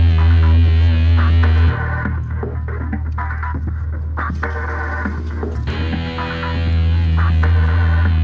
nanti kita berbincang